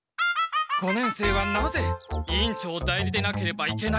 五年生はなぜ委員長代理でなければいけないのか！